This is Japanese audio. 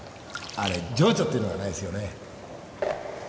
あれ情緒っていうのがないですよね。